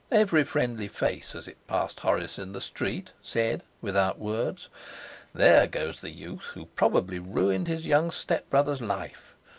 Each friendly face as it passed Horace in the street said, without words, 'There goes the youth who probably ruined his young stepbrother's life.